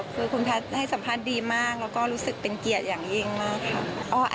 คือคุณแพทย์ให้สัมภาษณ์ดีมากแล้วก็รู้สึกเป็นเกียรติอย่างยิ่งมากค่ะ